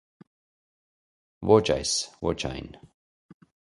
Ոչ այս, ոչ այն.